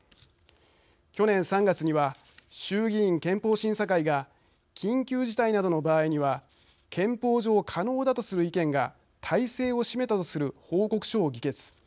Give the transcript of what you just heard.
去年３月には衆議院憲法審査会が緊急事態などの場合には憲法上可能だとする意見が大勢を占めたとする報告書を議決。